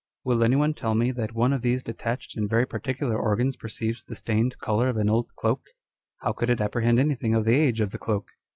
Will any one 'tell me that one of these detached and very particular organs perceives the stained colour of an old cloak â€" [How could it apprehend anything of the age of the cloak